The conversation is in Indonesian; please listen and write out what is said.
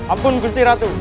ampun gusti ratu